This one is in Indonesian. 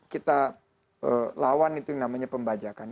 kita lawan itu yang namanya pembajakan